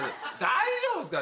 大丈夫っすか？